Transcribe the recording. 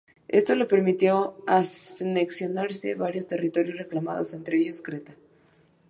Esto le permitió anexionarse varios territorios reclamados, entre ellos, Creta.